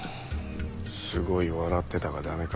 すごい笑ってたがダメか。